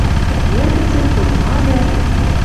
Эргӹцӹм хоть-ма дӓ